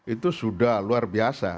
itu sudah luar biasa